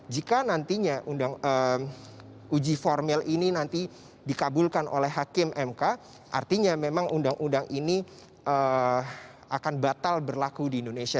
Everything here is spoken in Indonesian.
jika nantinya uji formil ini nanti dikabulkan oleh hakim mk artinya memang undang undang ini akan batal berlaku di indonesia